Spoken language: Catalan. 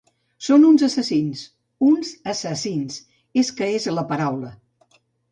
Són uns assassins, uns assassins, és que és la paraula.